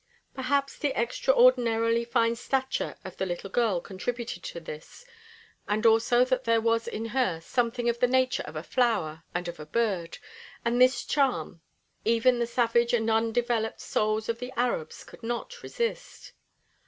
Perhaps the extraordinarily fine stature of the little girl contributed to this, and also that there was in her something of the nature of a flower and of a bird, and this charm even the savage and undeveloped souls of the Arabs could not resist.